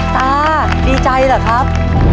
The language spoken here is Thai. ตาดีใจเหรอครับ